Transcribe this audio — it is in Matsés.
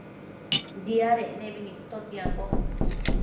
Diadec nebi nidtotiambo